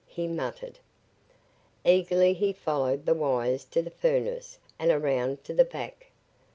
he muttered. Eagerly he followed the wires to the furnace and around to the back.